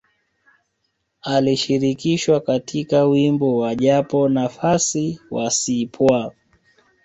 Alishirikishwa katika wimbo wa Japo Nafasi wa Cpwaa